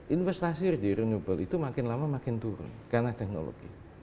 investasi regional itu makin lama makin turun karena teknologi